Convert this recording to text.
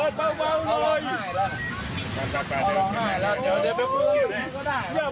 ดูเหตุการณ์ดราม่าที่เกิดขึ้นหน่อยครับ